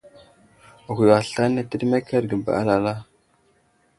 Ghwiyo aslane təɗemmakerge ba alala.